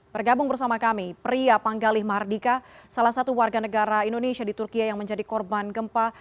bergabung bersama kami pria panggalih mardika salah satu warga negara indonesia di turkiya yang menjadi korban gempa